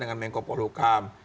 dengan menko polukam